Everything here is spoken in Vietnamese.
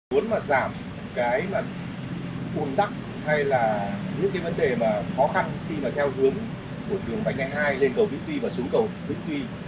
muốn mà giảm cái mà un tắc hay là những cái vấn đề mà khó khăn khi mà theo hướng của đường bánh a hai lên cầu vĩnh tuy và xuống cầu vĩnh tuy